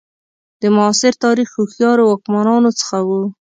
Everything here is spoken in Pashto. د معاصر تاریخ هوښیارو واکمنانو څخه وو.